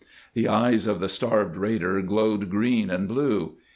The eyes of the starved raider glowed green and blue.